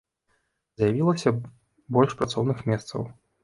З'явілася больш працоўных месцаў.